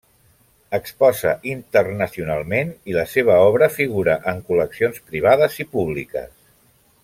Exposa internacionalment i la seva obra figura en col·leccions privades i públiques.